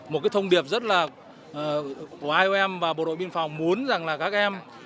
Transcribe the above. một thông điệp rất là của iom và bộ đội vi phòng muốn rằng là các em